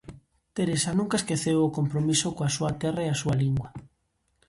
Teresa nunca esqueceu o compromiso coa súa terra e a súa lingua.